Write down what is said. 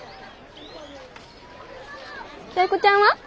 タイ子ちゃんは？